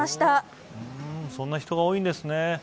そんなに人が多いんですね。